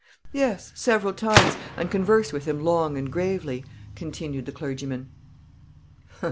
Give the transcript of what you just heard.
"Yes, several times, and conversed with him long and gravely," continued the clergyman.